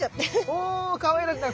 おかわいらしい。